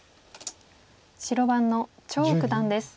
白番の張栩九段です。